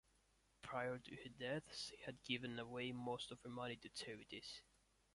Prior to her death she had given away most of her money to charities.